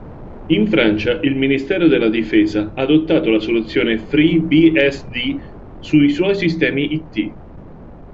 In Francia il Ministero della Difesa ha adottato la soluzione FreeBSD sui suoi sistemi IT.